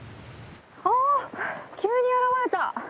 あ急に現れた！